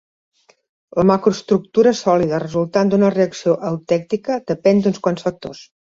La macroestructura sòlida resultant d'una reacció eutèctica depèn d'uns quants factors.